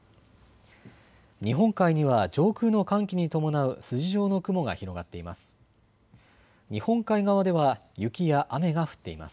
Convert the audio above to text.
日本海には上空の寒気に伴う筋状の雲が広がっています。